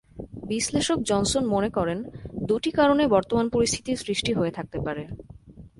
বিশ্লেষক জনসন মনে করেন, দুটি কারণে বর্তমান পরিস্থিতির সৃষ্টি হয়ে থাকতে পারে।